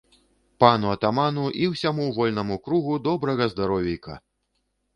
Пану атаману і ўсяму вольнаму кругу добрага здаровейка!